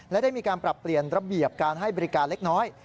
และได้มีการปรับเปลี่ยนระเบียบการให้บริการเล็กน้อย